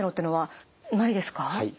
はい。